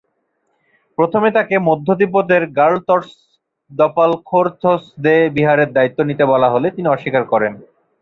প্রথমে তাকে মধ্য তিব্বতের র্গ্যাল-র্ত্সে-দ্পাল-'খোর-ছোস-স্দে বিহারের দায়িত্ব নিতে বলা হলে তিনি অস্বীকার করেন।